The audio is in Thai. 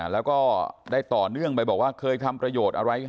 แล้วก็ได้ต่อเนื่องไปบอกว่าเคยทำประโยชน์อะไร